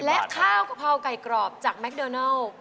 และข้าวกะเพราไก่กรอบจากแมคโดนัล